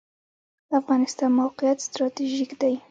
د افغانستان موقعیت ستراتیژیک دی